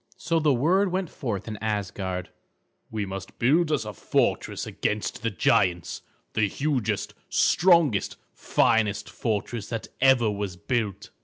So the word went forth in Asgard: "We must build us a fortress against the giants; the hugest, strongest, finest fortress that ever was built."